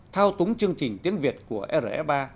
thao túng chương trình tiếng việt của rf ba